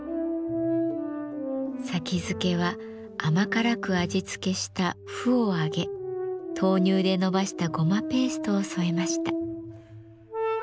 先付は甘辛く味付けした麩を揚げ豆乳でのばしたゴマペーストを添えました。